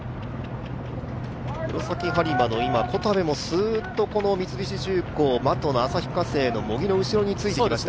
黒崎播磨の小田部も三菱重工、的野、旭化成の茂木の後ろについてきました。